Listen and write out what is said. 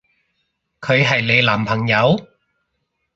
佢係你男朋友？